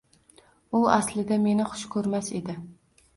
U aslida meni xush ko‘rmas edi.